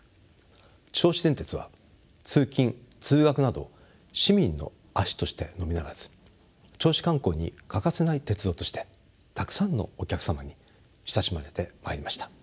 銚子電鉄は通勤通学など市民の足としてのみならず銚子観光に欠かせない鉄道としてたくさんのお客様に親しまれてまいりました。